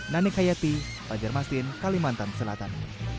nani kayati banjarmasin kalimantan selatan